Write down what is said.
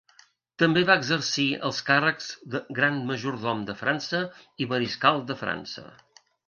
També va exercir els càrrecs Gran majordom de França i Mariscal de França.